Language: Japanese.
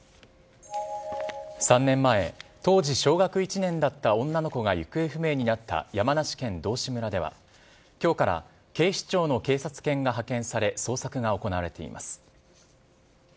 ３年前、当時小学１年だった女の子が行方不明になった山梨県道志村では、きょうから警視庁の警察犬が派遣され、捜索が行われています。